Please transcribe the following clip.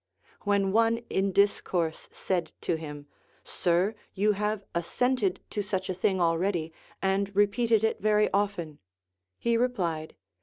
When one in discourse said to him. Sir, you have assented to such a thing already, and repeated it \'ery often, he replied.